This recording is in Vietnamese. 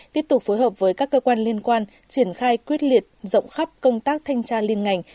tiếp tục phối hợp với các cơ quan liên quan triển khai quyết liệt rộng khắp công tác thanh tra liên ngành